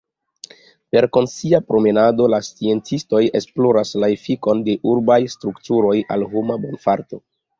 Per konscia promenado la sciencistoj esploras la efikon de urbaj strukturoj al homa bonfarto.